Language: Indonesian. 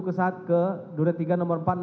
kesat ke durian tiga nomor empat puluh enam